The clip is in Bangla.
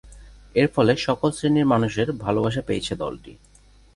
এর ফলে সকল শ্রেণীর মানুষের ভালোবাসা পেয়েছে দলটি।